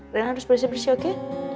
harus bersih bersih oke